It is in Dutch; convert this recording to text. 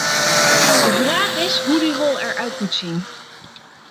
De vraag is hoe die rol eruit moet zien.